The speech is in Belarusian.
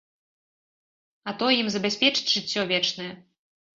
А той ім забяспечыць жыццё вечнае?